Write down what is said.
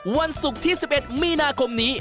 วันศุกร์ที่๑๑มีนาคมนี้